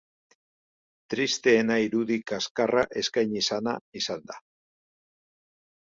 Tristeena irudi kaskarra eskaini izana izan da.